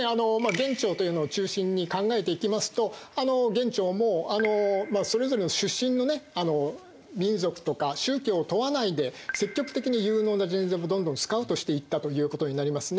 元朝というのを中心に考えていきますと元朝もそれぞれの出身のね民族とか宗教を問わないで積極的に有能な人材をどんどんスカウトしていったということになりますね。